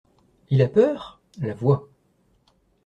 Il a peur ? LA VOIX.